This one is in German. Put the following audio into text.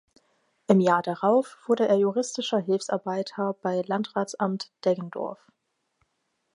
Im Jahr darauf wurde er juristischer Hilfsarbeiter bei Landratsamt Deggendorf.